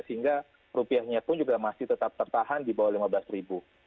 sehingga rupiahnya pun juga masih tetap tertahan di bawah lima belas ribu